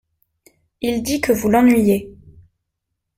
Il dit que vous l’ennuyez.